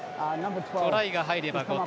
トライが入れば５点。